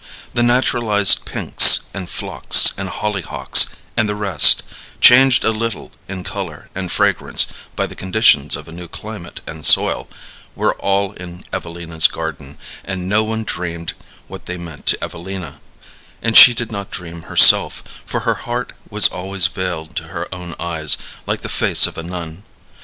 The naturalized pinks and phlox and hollyhocks and the rest, changed a little in color and fragrance by the conditions of a new climate and soil, were all in Evelina's garden, and no one dreamed what they meant to Evelina; and she did not dream herself, for her heart was always veiled to her own eyes, like the face of a nun.